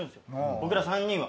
僕ら３人は。